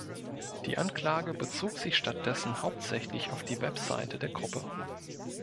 Die Anklage bezog sich stattdessen hauptsächlich auf die Webseite der Gruppe.